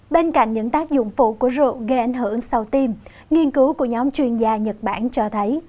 bên cạnh những tác dụng phụ của rượu gây ảnh hưởng sau tim nghiên cứu của nhóm chuyên gia nhật bản cho thấy